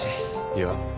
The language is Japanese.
いや。